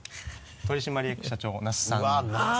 「取締役社長那須」さんです。